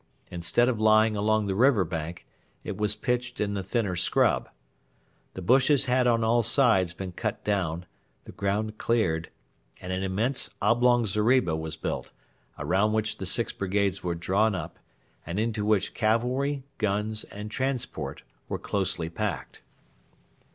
Instead of lying along the river bank, it was pitched in the thinner scrub. The bushes had on all sides been cut down, the ground cleared, and an immense oblong zeriba was built, around which the six brigades were drawn up, and into which cavalry, guns, and transport were closely packed.